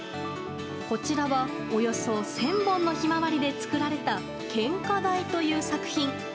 こちらは、およそ１０００本のヒマワリで作られた「献花台」という作品。